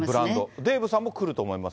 デーブさんも来ると思います？